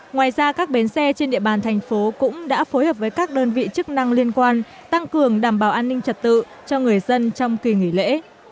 ngoài ra các bến xe trên địa bàn thành phố cũng đã phối hợp với các đơn vị chức năng liên quan tăng cường đảm bảo an ninh trật tự cho người dân trong kỳ nghỉ lễ